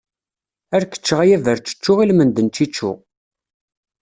Ar k-ččeɣ a yaberčečču ilmend n ciccu!